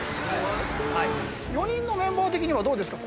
４人のメンバー的にはどうですか？